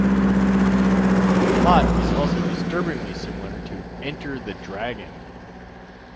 The plot is also disturbingly similar to "Enter the Dragon".